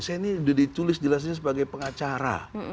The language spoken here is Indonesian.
saya ini udah diculis jelasin sebagai pengacara